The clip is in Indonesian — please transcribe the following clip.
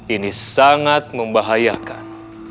ini sangat membahayakan